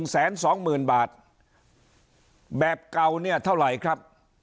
แสนสองหมื่นบาทแบบเก่าเนี่ยเท่าไหร่ครับ